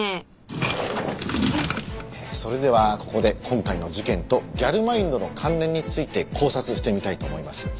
それではここで今回の事件とギャルマインドの関連について考察してみたいと思います。